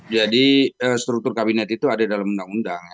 jadi struktur kabinet itu ada dalam undang undang